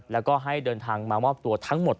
แล้วก็ให้เดินทางมามอบตัวทั้งหมด